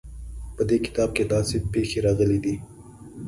په دې کتاب کې داسې پېښې راغلې دي.